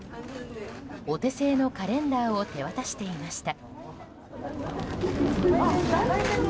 お手製のカレンダーを手渡していました。